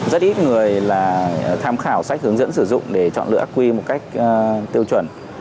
rất ít người là tham khảo sách hướng dẫn sử dụng để chọn lựa ác quy một cách tiêu chuẩn